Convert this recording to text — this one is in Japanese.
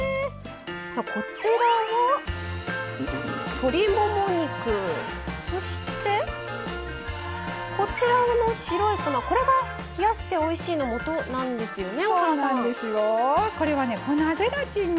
こちらは、鶏もも肉そして、こちらの白い粉これが冷やしておいしいのもとなんですよね。